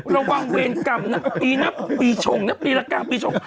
ระวังเวรกรรมนะปีนะปีชงนะปีละ๙ปีชง